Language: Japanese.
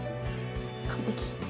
完璧。